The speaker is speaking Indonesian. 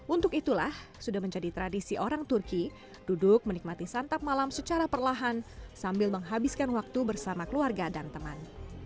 untuk itulah sudah menjadi tradisi orang turki duduk menikmati santap malam secara perlahan sambil menghabiskan waktu bersama keluarga dan teman